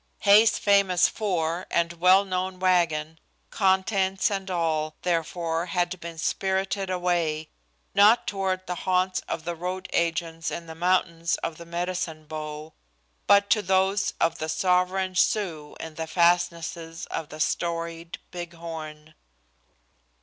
Hay's famous four, and well known wagon, contents and all, therefore, had been spirited away, not toward the haunts of the road agents in the mountains of the Medicine Bow, but to those of the sovereign Sioux in the fastnesses of the storied Big Horn.